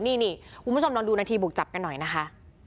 นี่คุณผู้ชมลองดูนาทีบุกจับกันหน่อยนะคะ